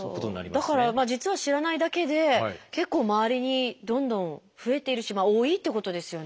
だから実は知らないだけで結構周りにどんどん増えているし多いっていうことですよね。